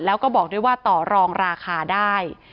แล้วก็บอกด้วยว่าต่อรองราคาได้